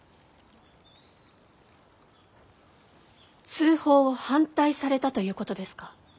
通報を反対されたということですか？